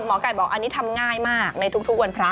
หมอไก่บอกอันนี้ทำง่ายมากในทุกวันพระ